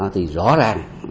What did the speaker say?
thì rõ ràng